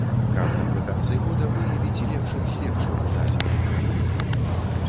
Каб напрыканцы года выявіць лепшых з лепшых у дадзенай краіне.